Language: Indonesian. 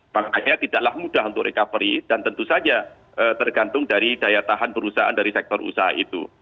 makanya tidaklah mudah untuk recovery dan tentu saja tergantung dari daya tahan perusahaan dari sektor usaha itu